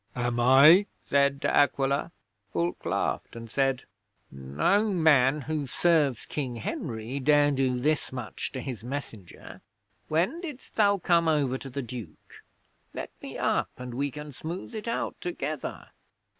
'"Am I?" said De Aquila. 'Fulke laughed and said, "No man who serves King Henry dare do this much to his messenger. When didst thou come over to the Duke? Let me up and we can smooth it out together."